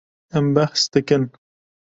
Em behs dikin.